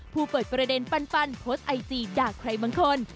เปิดประเด็นปันโพสต์ไอจีด่าใครบางคน